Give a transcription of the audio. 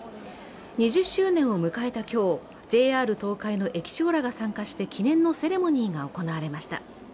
２０周年を迎えた今日、ＪＲ東海の駅長らが参加して記念のセレモニーが行われました。